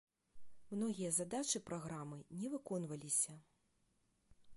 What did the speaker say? Многія задачы праграмы не выконваліся.